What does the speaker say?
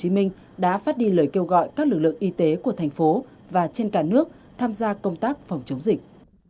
ubnd tp hcm đã phát đi lời kêu gọi các lực lượng y tế của thành phố và trên cả nước tham gia công tác phòng chống dịch